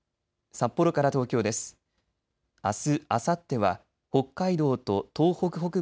札幌から東京です。